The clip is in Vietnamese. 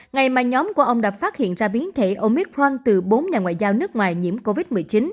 ngày mà nhóm của ông đã phát hiện ra biến thể omicront từ bốn nhà ngoại giao nước ngoài nhiễm covid một mươi chín